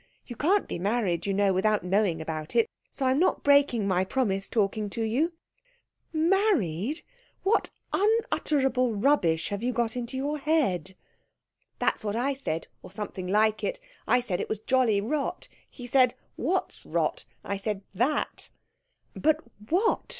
You can't be married, you know, without knowing about it, so I'm not breaking my promise talking to you " "Married? What unutterable rubbish have you got into your head?" "That's what I said or something like it. I said it was jolly rot. He said, 'What's rot?' I said 'That.'" "But what?"